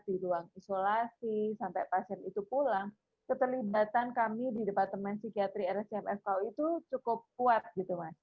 di ruang isolasi sampai pasien itu pulang keterlibatan kami di departemen psikiatri rscm fku itu cukup kuat gitu mas